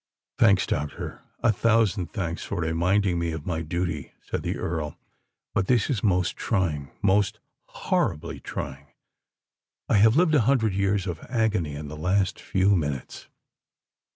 "Thanks, doctor—a thousand thanks for reminding me of my duty," said the Earl. "But this is most trying—most horribly trying! I have lived a hundred years of agony in the last few minutes!"